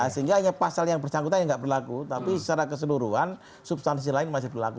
sehingga hanya pasal yang bersangkutan yang tidak berlaku tapi secara keseluruhan substansi lain masih berlaku